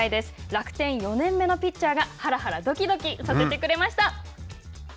楽天、４年目のピッチャーがはらはらどきどきさせてくれました。